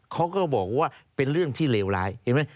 เขาก็บอกว่าเป็นเรื่องที่เลวร้ายเห็นไหม